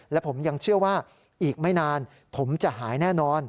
และผมยังเชื่อว่าอีกไม่นานผมจะหายแน่นอน